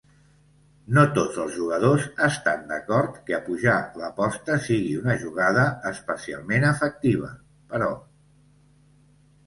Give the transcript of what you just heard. No tots els jugadors estan d'acord que apujar l'aposta sigui una jugada especialment efectiva, però.